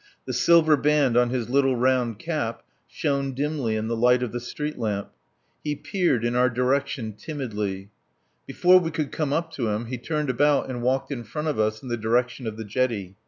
The silver band on his little round cap shone dimly in the light of the street lamp. He peered in our direction timidly. Before we could come up to him he turned about and walked in front of us in the direction of the jetty.